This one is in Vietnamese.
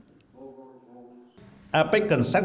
apec cần xác định các mục tiêu và nội hàm hợp tác